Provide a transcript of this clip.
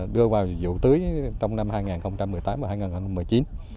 đưa vào vụ tưới trong năm hai nghìn một mươi tám và hai nghìn một mươi chín